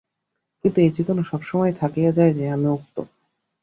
কিন্তু এই চেতনা সব সময়েই থাকিয়া যায় যে, আমি মুক্ত।